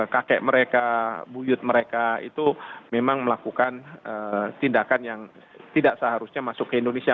kakek mereka buyut mereka itu memang melakukan tindakan yang tidak seharusnya masuk ke indonesia